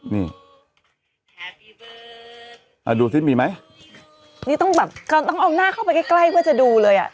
นี่อ่าดูสิมีไหมนี่ต้องแบบเขาต้องเอาหน้าเข้าไปใกล้ใกล้เพื่อจะดูเลยอ่ะ